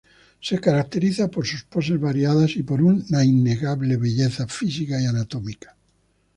Se caracterizan por sus poses variadas y por una innegable belleza física y anatómica.